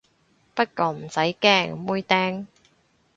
不過唔使驚，妹釘